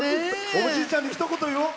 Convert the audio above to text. おじいちゃんにひと言、言おう。